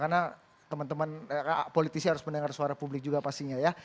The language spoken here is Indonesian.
karena teman teman politisi harus mendengar suara publik juga pastinya ya